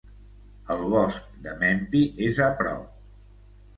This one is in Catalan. El bosc de Mempi és a prop.